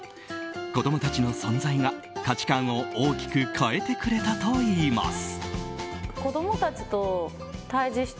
子供たちの存在が、価値観を大きく変えてくれたといいます。